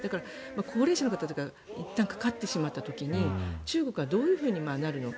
高齢者の方とかいったんかかってしまった時に中国はどういうふうになるのか。